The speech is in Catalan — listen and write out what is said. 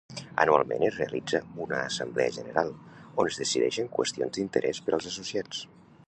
Anualment es realitza una Assemblea General on es decideixen qüestions d'interès per als associats.